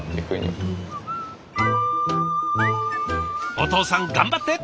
お父さん頑張って！